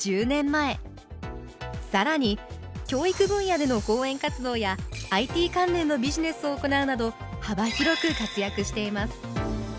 更に教育分野での講演活動やＩＴ関連のビジネスを行うなど幅広く活躍しています